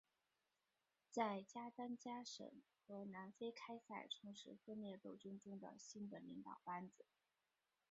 在加丹加省和南非开赛从事分裂斗争中的新的领导班子。